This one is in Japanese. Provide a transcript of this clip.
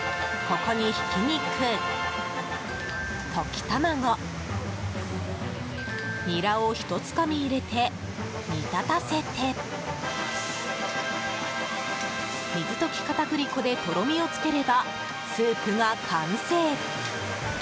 ここにひき肉、溶き卵ニラをひとつかみ入れて煮立たせて水溶き片栗粉でとろみをつければスープが完成。